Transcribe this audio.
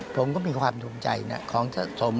ผมก็มีความสุขใจของสะสม